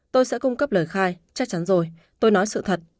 tôi sẽ cung cấp lời khai chắc chắn rồi tôi nói sự thật